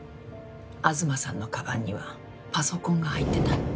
東さんの鞄にはパソコンが入ってた。